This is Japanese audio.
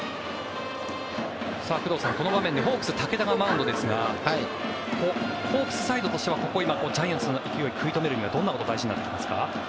工藤さん、この場面でホークス、武田がマウンドですがホークスサイドとしてはジャイアンツの勢いを食い止めるためにはどんなことが大事になってきますか。